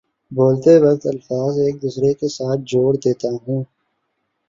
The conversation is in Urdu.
بولتے وقت الفاظ ایک دوسرے کے ساتھ جوڑ دیتا ہوں